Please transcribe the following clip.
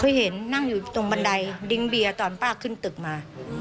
คือเห็นนั่งอยู่ตรงบันไดดิ้งเบียร์ตอนป้าขึ้นตึกมา